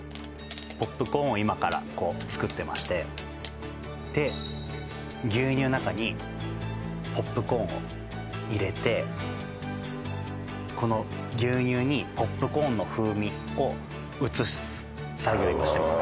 ポップコーンを今からこう作ってましてで牛乳の中にポップコーンを入れてこの牛乳にポップコーンの風味を移す作業を今してます